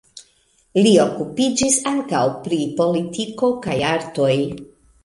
Li okupiĝis ankaŭ pri politiko kaj artoj.